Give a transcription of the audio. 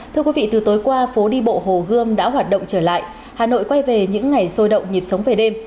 thưa quý vị từ tối qua phố đi bộ hồ gươm đã hoạt động trở lại hà nội quay về những ngày sôi động nhịp sống về đêm